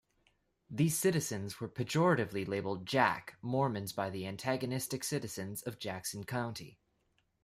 These citizens were pejoratively labeled "Jack" Mormons by the antagonistic citizens of Jackson County.